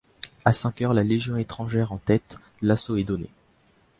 À cinq heures, la Légion étrangère en tête, l'assaut est donné.